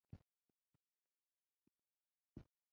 因病致仕。